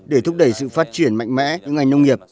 để thúc đẩy sự phát triển mạnh mẽ của ngành nông nghiệp